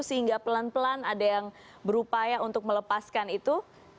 sehingga pelan pelan ada yang berupaya untuk melepaskan itu